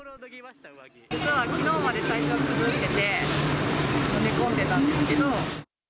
実はきのうまで体調崩してて、寝込んでたんですけど。